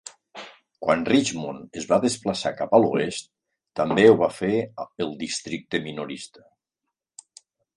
Quan Richmond es va desplaçar cap a l'oest, també ho va fer el districte minorista.